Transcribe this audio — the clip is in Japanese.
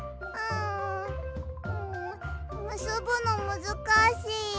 んんむすぶのむずかしい。